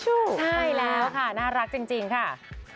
ใช่แล้วค่ะน่ารักจริงค่ะ